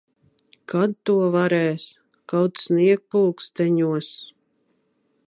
Kad to varēs. Kaut sniegpulksteņos.